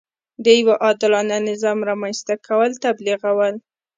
د یوه عادلانه نظام رامنځته کول تبلیغول.